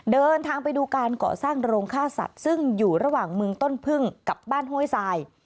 เดินทางไปดูการก่อสร้างโรงฆ่าสัตว์ซึ่งอยู่ระหว่างเมืองต้นพึ่งกับบ้านห้วยทราย